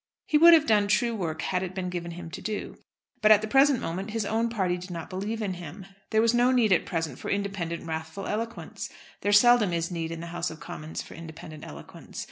He would have done true work had it been given him to do. But at the present moment his own party did not believe in him. There was no need at present for independent wrathful eloquence. There seldom is need in the House of Commons for independent eloquence.